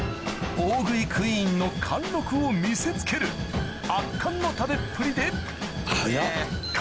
大食いクイーンの貫禄を見せつける圧巻の食べっぷりで早っ。